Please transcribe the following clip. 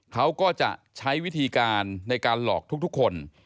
เขาก็จะใช้วิธีการในการหลอกทุกคน